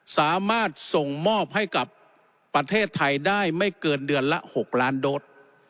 สามารถส่งมอบให้กับประเทศไทยได้ไม่เกินเดือนละ๖ล้านโดส